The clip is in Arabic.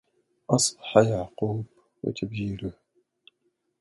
أصبح يعقوب وتبجيله